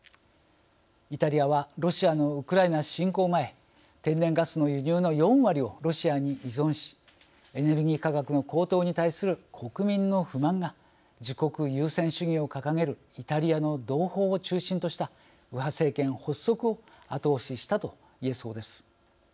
イタリアはロシアのウクライナ侵攻前天然ガスの輸入の４割をロシアに依存しエネルギー価格の高騰に対する国民の不満が自国優先主義を掲げるイタリアの同胞を中心とした右派政権発足を後押ししたと言えそうです。